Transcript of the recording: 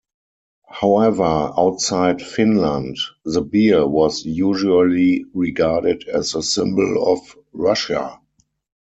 However, outside Finland, the bear was usually regarded as a symbol of Russia.